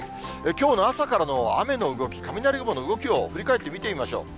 きょうの朝からの雨の動き、雷雲の動きを振り返ってみてみましょう。